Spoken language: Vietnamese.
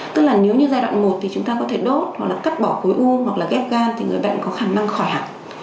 tức là nếu như giai đoạn một thì chúng ta có thể đốt hoặc là cắt bỏ khối u hoặc là ghép gan thì người bệnh có khả năng khỏi hẳn